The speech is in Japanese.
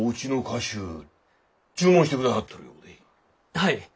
はい。